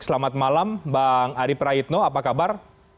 selamat malam bang adi praitno apa kabar